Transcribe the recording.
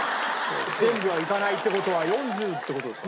全部はいかないって事は４０って事ですか？